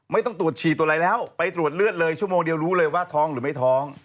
ไม่ต้องตรวจฉี่ตรวจอะไรแล้วไปตรวจเลือดเลยชั่วโมงเดียวรู้เลยว่าท้องหรือไม่ท้อง